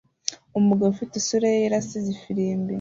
Umugabo ufite isura ye yera asize ifirimbi